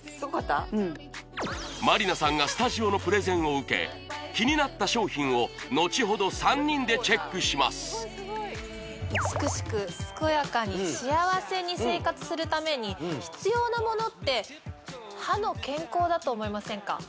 うん満里奈さんがスタジオのプレゼンを受け気になった商品を後ほど３人でチェックします美しく健やかに幸せに生活するために必要なものってだと思いませんか？